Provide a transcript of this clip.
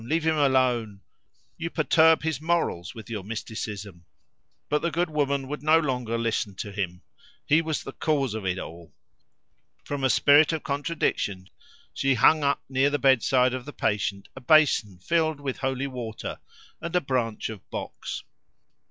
leave him alone! You perturb his morals with your mysticism." But the good woman would no longer listen to him; he was the cause of it all. From a spirit of contradiction she hung up near the bedside of the patient a basin filled with holy water and a branch of box.